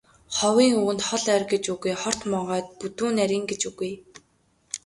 Ховын үгэнд хол ойр гэж үгүй, хорт могойд бүдүүн нарийн гэж үгүй.